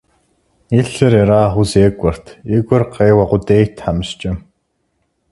И лъыр ерагъыу зекӀуэрт, и гур къеуэ къудейт тхьэмыщкӀэм.